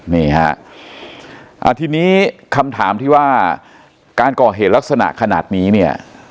นี่ฮะอ่าทีนี้คำถามที่ว่าการก่อเหตุลักษณะขนาดนี้เนี่ย